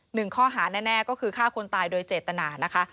หนึ่งข้อหาแน่ก็คือฆ่าคนตายโดยเจตนานะคะ